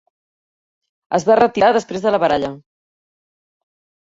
Es va retirar després de la baralla.